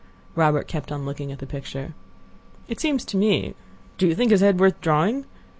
Robert kept on looking at the picture. "It seems to me—do you think his head worth drawing?